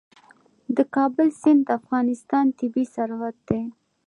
د کابل سیند د افغانستان طبعي ثروت دی.